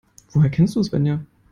Woher kennst du Svenja?